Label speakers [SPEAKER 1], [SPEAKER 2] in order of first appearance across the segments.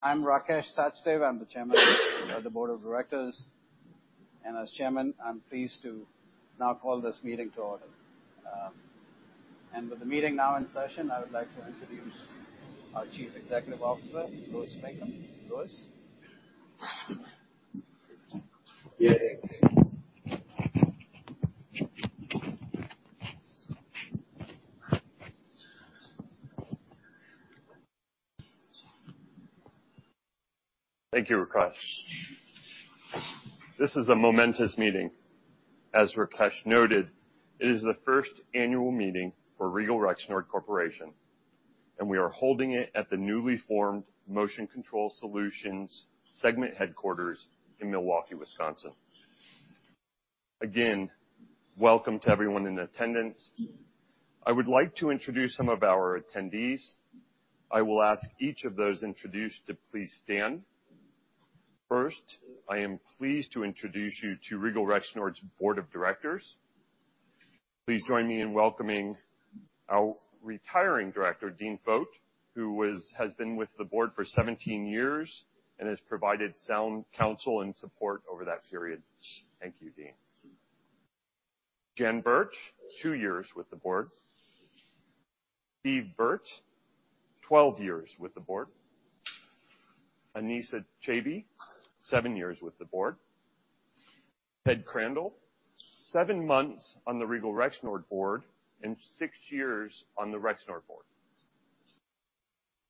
[SPEAKER 1] I'm Rakesh Sachdev. I'm the Chairman of the Board of Directors. As Chairman, I'm pleased to now call this meeting to order. With the meeting now in session, I would like to introduce our CEO, Louis Pinkham. Louis?
[SPEAKER 2] Thank you, Rakesh. This is a momentous meeting. As Rakesh noted, it is the first annual meeting for Regal Rexnord Corporation, and we are holding it at the newly formed Motion Control Solutions segment headquarters in Milwaukee, Wisconsin. Again, welcome to everyone in attendance. I would like to introduce some of our attendees. I will ask each of those introduced to please stand. First, I am pleased to introduce you to Regal Rexnord's Board of Directors. Please join me in welcoming our retiring Director, Dean Foate, who has been with the Board for 17 years and has provided sound counsel and support over that period. Thank you, Dean. Jan Bertsch, two years with the Board. Stephen Burt, 12 years with the Board. Anesa Chaibi, seven years with the Board. Ted Crandall, seven months on the Regal Rexnord Board and six years on the Rexnord Board.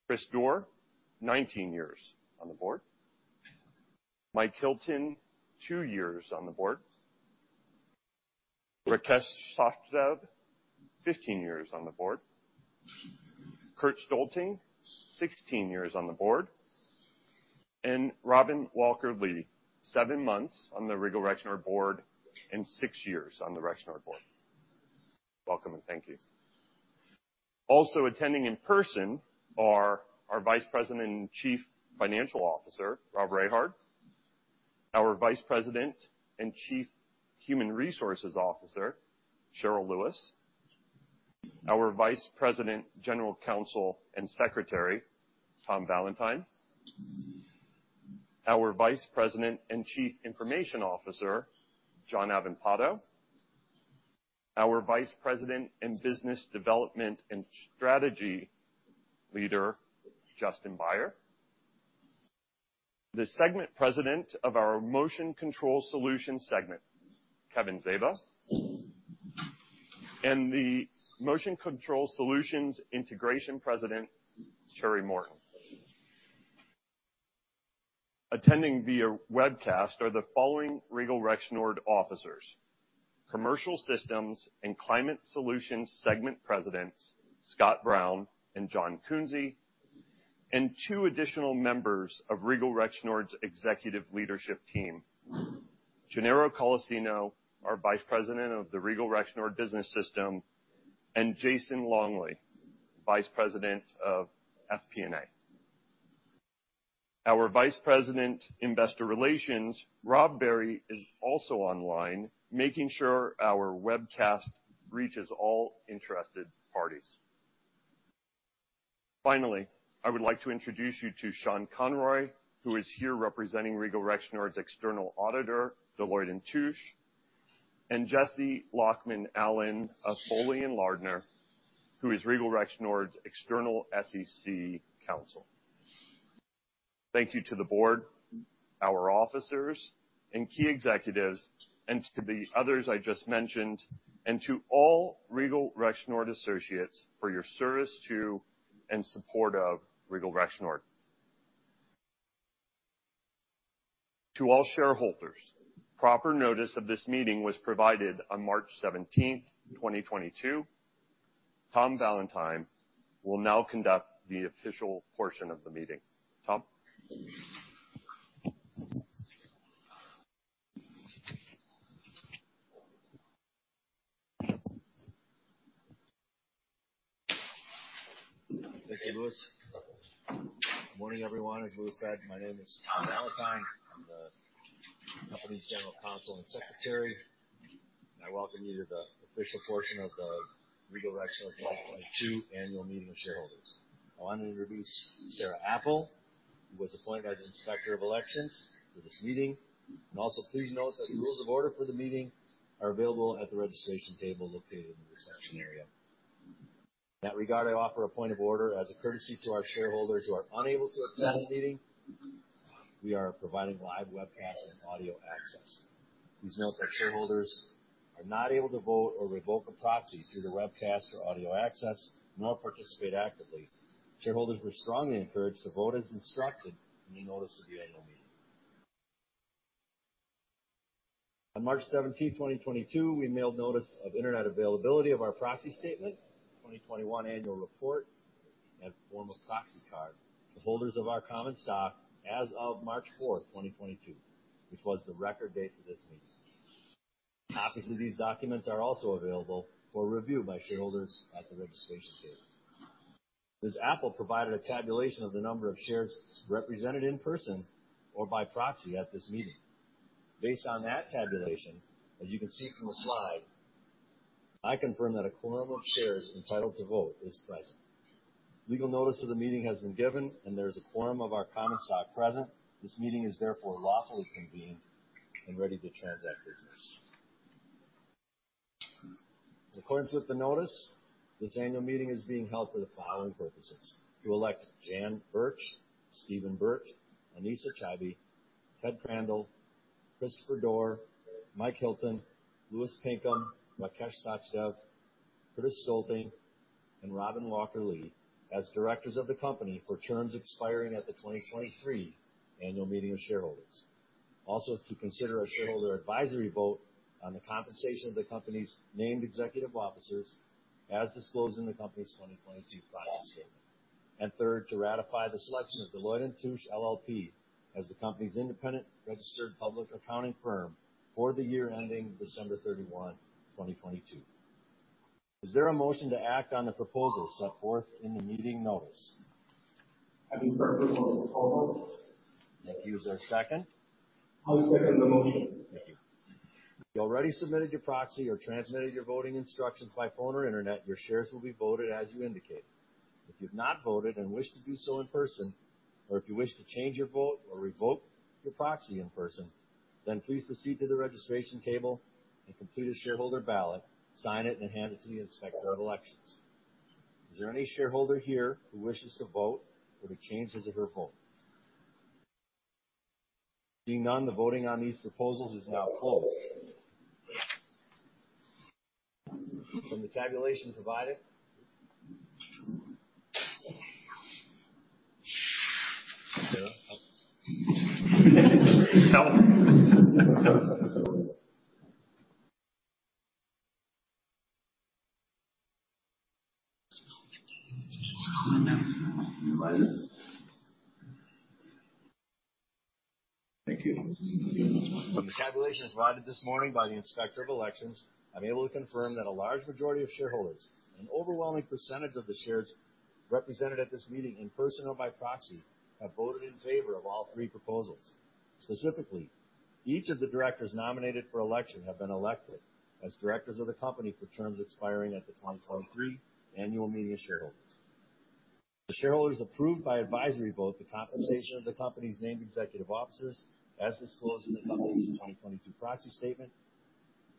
[SPEAKER 2] Chris Doerr, 19 years on the board. Mike Hilton, two years on the board. Rakesh Sachdev, 15 years on the board. Curtis W. Stoelting, 16 years on the board, and Robin A. Walker-Lee, seven months on the Regal Rexnord board and six years on the Rexnord board. Welcome, and thank you. Also attending in person are our VP and CFO, Rob Rehard, our Vice President and Chief Human Resources Officer, Cheryl Lewis, our VP, General Counsel, and Secretary, Tom Valentyn, our VP and Chief Information Officer, John Avampato, our VP in Business Development and Strategy leader, Justin Baier, the Segment President of our Motion Control Solutions segment, Kevin Zaba, and the Motion Control Solutions Integration President, Jerry Morton. Attending via webcast are the following Regal Rexnord officers: Commercial Systems and Climate Solutions Segment Presidents, Scott Brown and John Kunze, and two additional members of Regal Rexnord's executive leadership team, Gennaro Colacino, our VP of the Regal Rexnord Business System, and Jason Longley, VP of FP&A. Our VP, Investor Relations, Rob Barry, is also online, making sure our webcast reaches all interested parties. Finally, I would like to introduce you to Sean Conroy, who is here representing Regal Rexnord's external auditor, Deloitte & Touche, and Jessie Lochmann Allen of Foley & Lardner, who is Regal Rexnord's external SEC counsel. Thank you to the board, our officers and key executives, and to the others I just mentioned, and to all Regal Rexnord associates for your service to and support of Regal Rexnord. To all shareholders, proper notice of this meeting was provided on 17 March 2022. Tom Valentyn will now conduct the official portion of the meeting. Tom.
[SPEAKER 3] Thank you, Louis. Morning, everyone. As Louis said, my name is Tom Valentyn. I'm the company's General Counsel and Secretary. I welcome you to the official portion of the Regal Rexnord 2022 annual meeting of shareholders. I want to introduce Sarah Apple, who was appointed as Inspector of Elections for this meeting. Also please note that the rules of order for the meeting are available at the registration table located in the reception area. In that regard, I offer a point of order. As a courtesy to our shareholders who are unable to attend the meeting, we are providing live webcast and audio access. Please note that shareholders are not able to vote or revoke a proxy through the webcast or audio access, nor participate actively. Shareholders were strongly encouraged to vote as instructed in the notice of the annual meeting. On 17 March 2022, we mailed notice of internet availability of our proxy statement, 2021 annual report, and form of proxy card to holders of our common stock as of 4 March 2022, which was the record date for this meeting. Copies of these documents are also available for review by shareholders at the registration table. Ms. Apple provided a tabulation of the number of shares represented in person or by proxy at this meeting. Based on that tabulation, as you can see from the slide I confirm that a quorum of shares entitled to vote is present. Legal notice of the meeting has been given, and there is a quorum of our common stock present. This meeting is therefore lawfully convened and ready to transact business. In accordance with the notice, this annual meeting is being held for the following purposes. To elect Jan Bertsch, Stephen Burt, Anesa Chaibi, Ted Crandall, Christopher L. Doerr, Mike Hilton, Louis Pinkham, Rakesh Sachdev, Curtis W. Stoelting, and Robin A. Walker-Lee as directors of the company for terms expiring at the 2023 annual meeting of shareholders. Also, to consider a shareholder advisory vote on the compensation of the company's named executive officers as disclosed in the company's 2022 proxy statement. Third, to ratify the selection of Deloitte & Touche LLP as the company's independent registered public accounting firm for the year ending December 31, 2022. Is there a motion to act on the proposal set forth in the meeting notice?
[SPEAKER 4] I move for approval of the proposal.
[SPEAKER 3] Thank you. Is there a second?
[SPEAKER 5] I second the motion.
[SPEAKER 3] Thank you. If you already submitted your proxy or transmitted your voting instructions by phone or internet, your shares will be voted as you indicated. If you've not voted and wish to do so in person, or if you wish to change your vote or revoke your proxy in person, then please proceed to the registration table and complete a shareholder ballot, sign it, and hand it to the Inspector of Elections. Is there any shareholder here who wishes to vote or to change his or her vote? Seeing none, the voting on these proposals is now closed. From the tabulation provided. Thank you. From the tabulations provided this morning by the inspector of elections, I'm able to confirm that a large majority of shareholders, an overwhelming percentage of the shares represented at this meeting in person or by proxy, have voted in favor of all three proposals. Specifically, each of the directors nominated for election have been elected as directors of the company for terms expiring at the 2023 annual meeting of shareholders. The shareholders approved by advisory vote the compensation of the company's named executive officers, as disclosed in the company's 2022 proxy statement.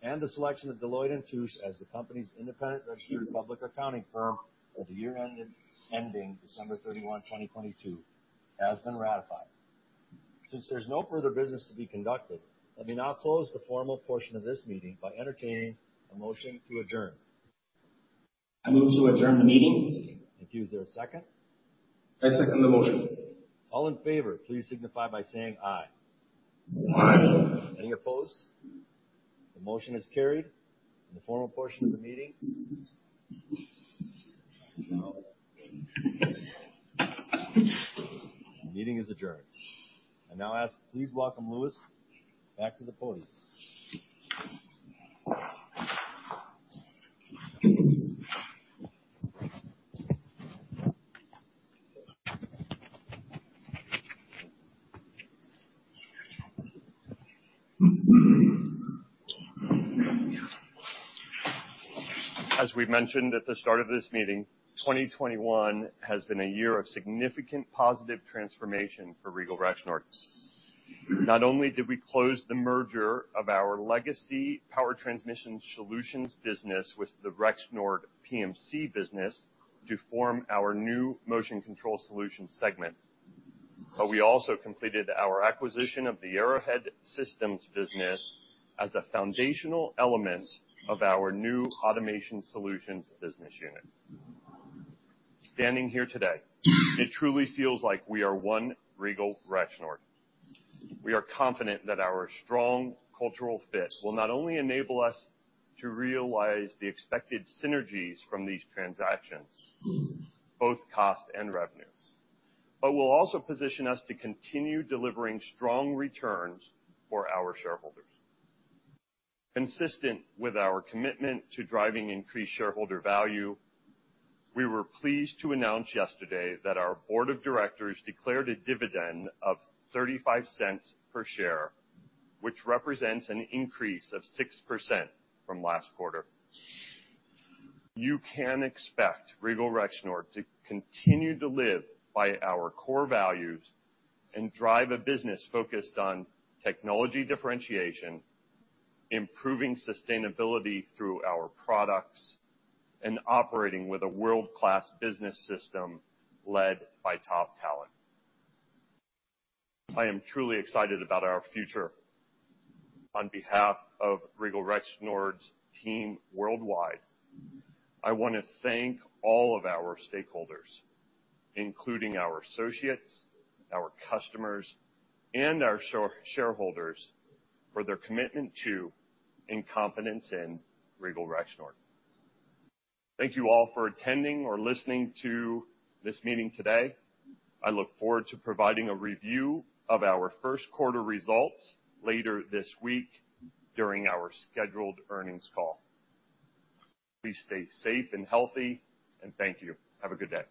[SPEAKER 3] The selection of Deloitte & Touche as the company's independent registered public accounting firm for the year ending December 31, 2022, has been ratified. Since there's no further business to be conducted, let me now close the formal portion of this meeting by entertaining a motion to adjourn. I move to adjourn the meeting. Thank you. Is there a second?
[SPEAKER 4] I second the motion.
[SPEAKER 3] All in favor, please signify by saying, "Aye.
[SPEAKER 4] Aye.
[SPEAKER 3] Any opposed? The motion is carried. The formal portion of the meeting. The meeting is adjourned. I now ask, please welcome Louis back to the podium.
[SPEAKER 2] As we mentioned at the start of this meeting, 2021 has been a year of significant positive transformation for Regal Rexnord. Not only did we close the merger of our legacy Power Transmission Solutions business with the Rexnord PMC business to form our new Motion Control Solutions segment, but we also completed our acquisition of the Arrowhead Systems business as a foundational element of our new Automation Solutions business unit. Standing here today, it truly feels like we are one Regal Rexnord. We are confident that our strong cultural fit will not only enable us to realize the expected synergies from these transactions, both cost and revenues, but will also position us to continue delivering strong returns for our shareholders. Consistent with our commitment to driving increased shareholder value, we were pleased to announce yesterday that our board of directors declared a dividend of $0.35 per share, which represents an increase of 6% from last quarter. You can expect Regal Rexnord to continue to live by our core values and drive a business focused on technology differentiation, improving sustainability through our products, and operating with a world-class business system led by top talent. I am truly excited about our future. On behalf of Regal Rexnord's team worldwide, I wanna thank all of our stakeholders, including our associates, our customers, and our shareholders for their commitment to and confidence in Regal Rexnord. Thank you all for attending or listening to this meeting today. I look forward to providing a review of our Q1 results later this week during our scheduled earnings call. Please stay safe and healthy, and thank you. Have a good day.